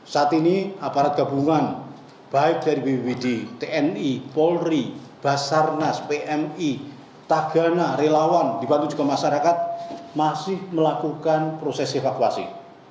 saat ini aparat gabungan baik dari bpbd tni polri basarnas pmi tagana relawan dibantu juga masyarakat masih melakukan proses evakuasi